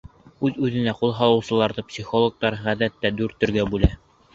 Үҙ-үҙенә ҡул һалыусыларҙы психологтар, ғәҙәттә, дүрт төргә бүлә.